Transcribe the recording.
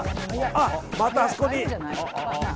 ああ、またあそこに。